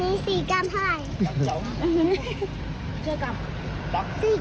อันนี้๔กรัทเท่าไหร่